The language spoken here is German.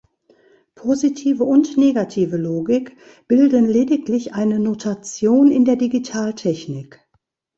Positive und negative Logik bilden lediglich eine Notation in der Digitaltechnik.